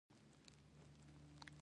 سورکی بياهم غلی و.